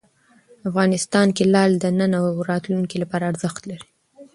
افغانستان کې لعل د نن او راتلونکي لپاره ارزښت لري.